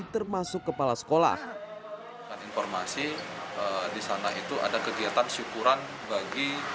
termasuk kepala sekolah dan informasi di sana itu ada kegiatan syukuran bagi